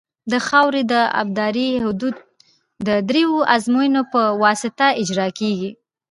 د خاورې د ابدارۍ حدود د دریو ازموینو په واسطه اجرا کیږي